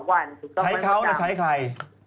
ใช้เขาแล้วใช้ใคร